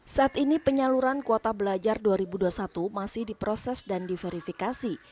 saat ini penyaluran kuota belajar dua ribu dua puluh satu masih diproses dan diverifikasi